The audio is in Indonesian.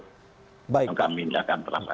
kami ya akan terangkan